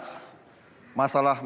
masalah masalah yang terjadi di kpu